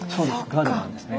ガードマンですね。